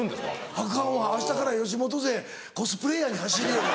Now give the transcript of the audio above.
アカンわ明日から吉本勢コスプレーヤーに走りよるわ。